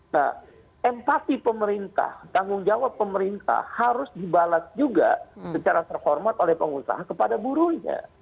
nah empati pemerintah tanggung jawab pemerintah harus dibalas juga secara terhormat oleh pengusaha kepada buruhnya